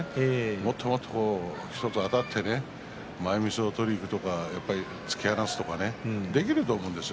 もっともっと一つ一つあたって前みつを取りにいくとか突き放すとかできると思うんですよ